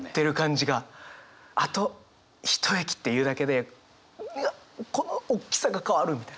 「あと、一駅」って言うだけでこのおっきさが変わるみたいな。